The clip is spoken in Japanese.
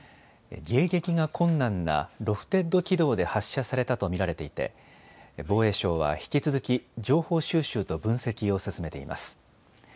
迎撃が困難なロフテッド軌道で発射されたと見られていて防衛省は引き続き情報収集と分析を進めています。